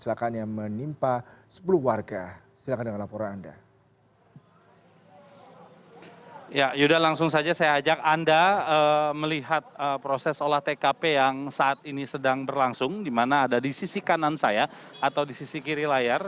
di mana ada di sisi kanan saya atau di sisi kiri layar